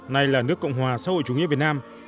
nay là nước cộng hòa xã hội chủ nghĩa việt nam